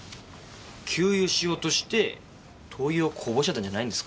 給油しようとして灯油をこぼしちゃったんじゃないんですか？